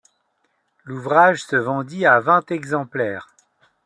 L'ouvrage se vendit à vingt exemplaires.